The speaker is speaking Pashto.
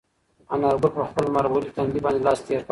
انارګل په خپل لمر وهلي تندي باندې لاس تېر کړ.